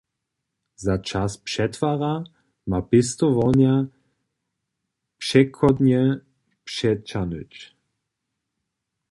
Za čas přetwara ma pěstowarnja přechodnje přećahnyć.